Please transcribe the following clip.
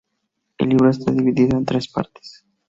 El libro está dividido en tres partes.